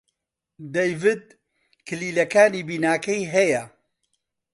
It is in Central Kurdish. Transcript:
دەیڤد کلیلەکانی بیناکەی هەیە.